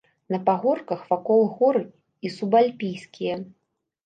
На пагорках вакол горы і субальпійскія.